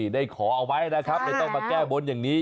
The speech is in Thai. ได้ขอเอาไว้นะครับเลยต้องมาแก้บนอย่างนี้